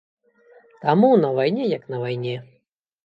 Таму на вайне як на вайне.